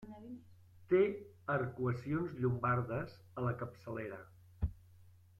Té arcuacions llombardes a la capçalera.